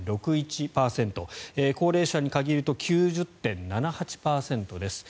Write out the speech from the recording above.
高齢者に限ると９０．７８％です。